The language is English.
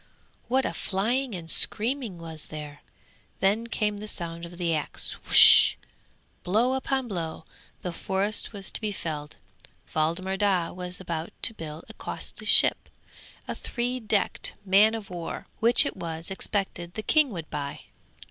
What a flying and screaming was there! Then came the sound of the axe, blow upon blow; the forest was to be felled. Waldemar Daa was about to build a costly ship, a three decked man of war, which it was expected the king would buy.